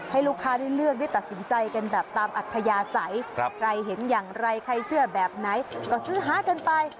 ให้ลูกค้าได้เลือกได้ตัดสินใจกันแบบตามอัธยาศัยใครเห็นอย่างไรใครเชื่อแบบไหนก็ซื้อหากันไป